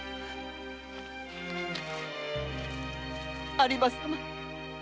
有馬様！